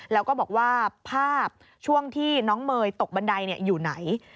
แล้วก็บอกว่าภาพช่วงที่น้องเมย์ตกบันไดอยู่ไหน